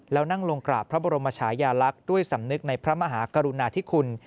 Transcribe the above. แล้วนั่งลงกราบพระบรมชายาลักษณ์ด้วยสำนึกในพระมหากรุณาธิคุณ